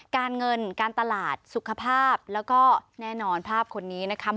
การเงินการตลาดสุขภาพแล้วก็แน่นอนภาพคนนี้นะคะ